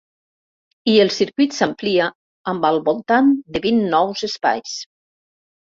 I el circuit s’amplia amb al voltant de vint nous espais.